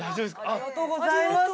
ありがとうございます。